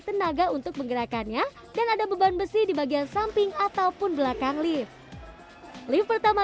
tenaga untuk menggerakkannya dan ada beban besi di bagian samping ataupun belakang lift lift pertama